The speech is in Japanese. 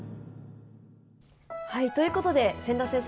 はいということで千田先生